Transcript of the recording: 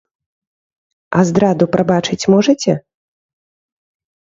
А здраду прабачыць можаце?